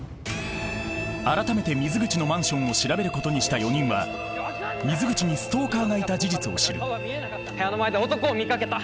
改めて水口のマンションを調べることにした４人は水口にストーカーがいた事実を知る部屋の前で男を見かけた。